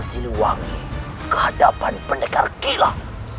mesti luangi kehadapan pendekar kilat